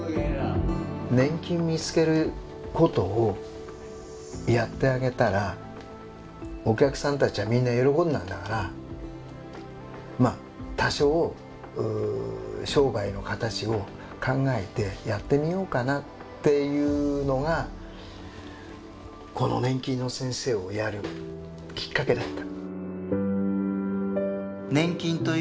年金を見つけることをやってあげたらお客さんたちはみんな喜んだんだから多少商売の形を考えてやってみようかなっていうのがこの年金の先生をやるきっかけだった。